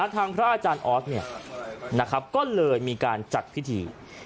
พระอาจารย์ออสก็เลยมีการจัดพิธี